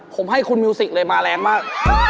ผมให้คุณมิวสิกเลยมาแรงมาก